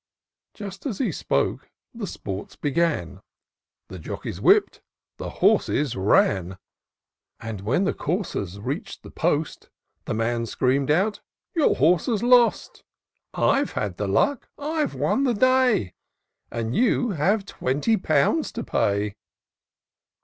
Just as he spoke, the sports began ; The jockeys whipp'd, the horses ran ; And, when the coursers reach'd the post. The man scream'd out —Your horse has lost IN SEARCH OF THE PICTURESQUE. 107 I've had the luck — IVe won the day, And you have twenty pounds to day."